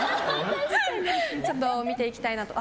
ちょっと見ていきたいなと。